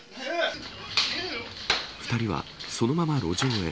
２人はそのまま路上へ。